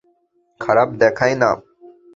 খারাপ দেখায় না?